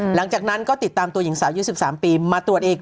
หลังจากนั้นก็ติดตามตัวหญิงสาวยุค๑๓ปีมาตรวจอีก